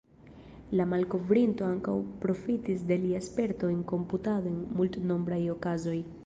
La malkovrinto ankaŭ profitis de lia sperto en komputado en multnombraj okazoj.